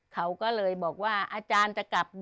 เขาก็เลยบอกว่าอาจารย์จะกลับ